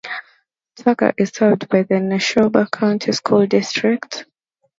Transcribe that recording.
Tucker is served by the Neshoba County School District.